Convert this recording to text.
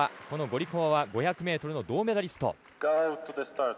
このゴリコワは５００ｍの銅メダリスト。